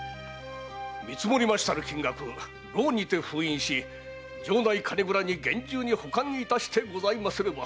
見積もりましたる金額は蝋にて封印し城内金蔵に厳重に保管いたしてございますれば。